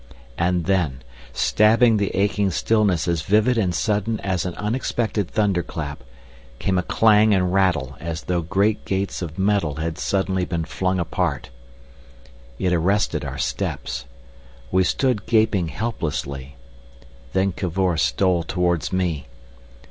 And then, stabbing the aching stillness as vivid and sudden as an unexpected thunderclap, came a clang and rattle as though great gates of metal had suddenly been flung apart. It arrested our steps. We stood gaping helplessly. Then Cavor stole towards me.